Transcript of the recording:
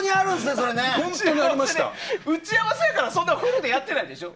打ち合わせやからフルでやってないでしょ。